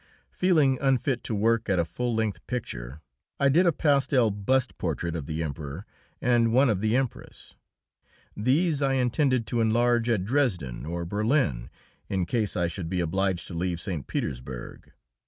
Feeling unfit to work at a full length picture, I did a pastel bust portrait of the Emperor, and one of the Empress; these I intended to enlarge at Dresden or Berlin, in case I should be obliged to leave St. Petersburg.